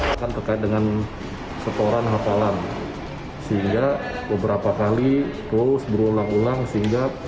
akan terkait dengan setoran hafalan sehingga beberapa kali terus berulang ulang sehingga